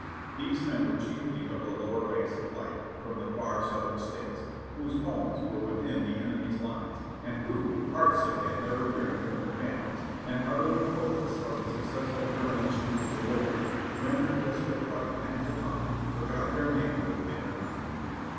These men were chiefly of the lower ranks of life from the far Southern States, whose homes were within the enemy's lines, and who, heart sick at never hearing from their families, and utterly hopeless of the successful termination of the war, rendered desperate by the pangs of hunger, forgot their man hood and their country.